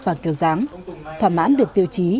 và kiểu dáng thỏa mãn được tiêu chí